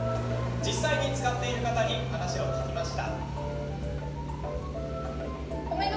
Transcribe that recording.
実際に使っている方にお話を聞きました。